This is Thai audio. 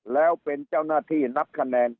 แล้วเป็นเจ้าหน้าที่นับคะแนน